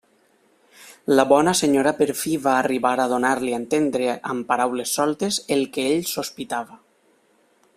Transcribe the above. La bona senyora per fi va arribar a donar-li a entendre amb paraules soltes el que ell sospitava.